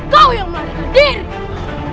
kau yang melihat dirimu